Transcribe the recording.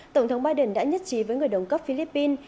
tổng thống biden đã nhất trí với người đồng cấp philippines